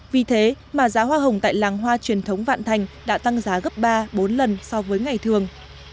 vì thế mà giá hoa hồng tại làng hoa truyền thống vạn thành đã tăng giá gấp ba bốn lần so với ngày thường